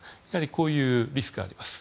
こういうリスクはあります。